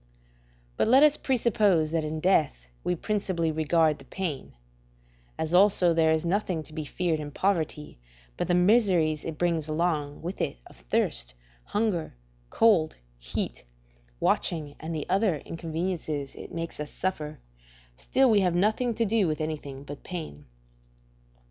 But let us presuppose that in death we principally regard the pain; as also there is nothing to be feared in poverty but the miseries it brings along with it of thirst, hunger, cold, heat, watching, and the other inconveniences it makes us suffer, still we have nothing to do with anything but pain.